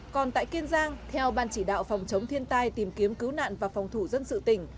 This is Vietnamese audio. còn tại kiên giang theo ban chỉ đạo phòng chống thiên tai tìm kiếm cứu nạn và phòng thủ dân sự tỉnh